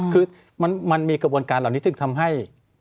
คือมันมีกระบวนการเหล่านี้จึงทำให้